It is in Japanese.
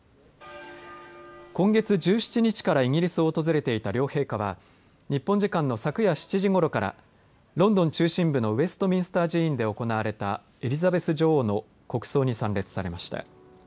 今月１７日からイギリスを訪れていた両陛下は日本時間の昨夜７時ごろからロンドン中心部のウェストミンスター寺院で行われたエリザベス女王の国葬に参列されました。